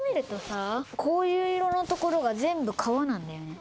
こういう色のところが全部川なんだよね。